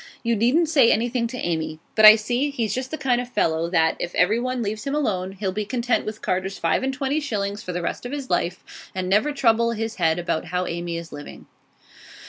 You needn't say anything to Amy. But I see he's just the kind of fellow that, if everyone leaves him alone, he'll be content with Carter's five and twenty shillings for the rest of his life, and never trouble his head about how Amy is living.